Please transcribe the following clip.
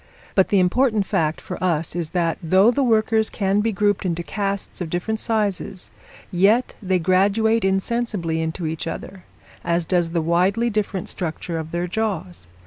But the important fact for us is that, though the workers can be grouped into castes of different sizes, yet they graduate insensibly into each other, as does the widely different structure of their jaws.